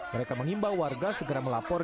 mereka mengimbau warga segera melapor